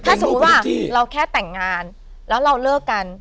ถ้าสมมุติว่าเราแค่แต่งงานแล้วเราเลิกกัน